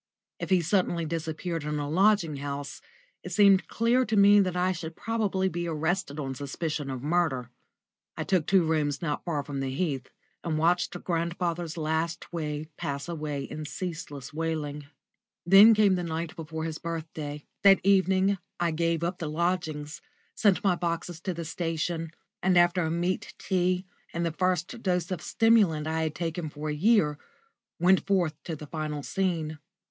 If he suddenly disappeared in a lodging house, it seemed clear to me that I should probably be arrested on suspicion of murder. I took two rooms not far from the Heath, and watched grandfather's last week pass away in ceaseless wailing. Then came the night before his birthday. That evening I gave up the lodgings, sent my boxes to the station, and after a meat tea and the first dose of stimulant I had taken for a year, went forth to the final scene.